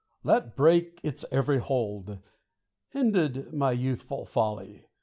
Let break its every hold! Ended my youthful folly!